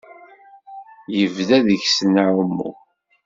Yebda deg-sen aɛummu.